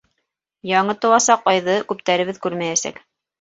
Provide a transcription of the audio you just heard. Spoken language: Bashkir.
— Яңы тыуасаҡ айҙы күптәребеҙ күрмәйәсәк!